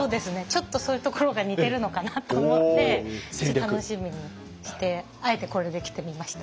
ちょっとそういうところが似てるのかなと思って楽しみにしてあえてこれで来てみました。